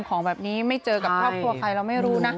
ของแบบนี้ไม่เจอกับครอบครัวใครเราไม่รู้นะ